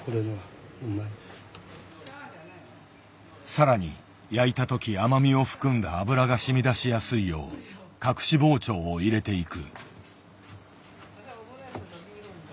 更に焼いた時甘みを含んだ脂がしみだしやすいよう隠し包丁を入れていく。